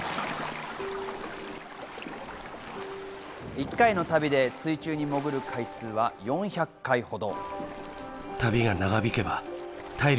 １回の旅で水中に潜る回数は４００回ほど。